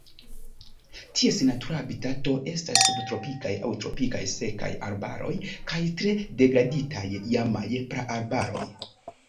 Ties natura habitato estas subtropikaj aŭ tropikaj sekaj arbaroj kaj tre degraditaj iamaj praarbaroj.